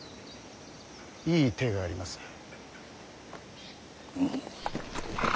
いい手があります。